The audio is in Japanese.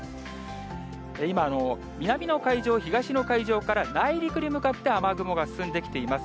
今、南の海上、東の海上から、内陸に向かって雨雲が進んできています。